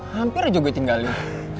hampir aja gue tinggalin